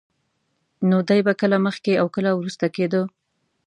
نو دی به کله مخکې او کله وروسته کېده.